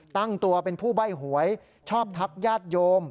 ตั้งตัวเป็นผู้ใบ้หวยชอบทักญาติโยม